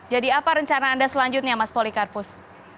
jadi apa rencana anda selanjutnya mas polikarpus